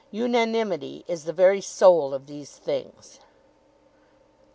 "UNANIMITY IS THE VERY SOUL OF THESE THINGS."